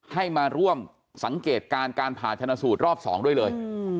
ให้มาร่วมสังเกตการณ์การผ่าชนะสูตรรอบ๒ด้วยเลย